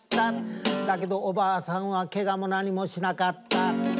「だけどおばあさんはけがも何もしなかった」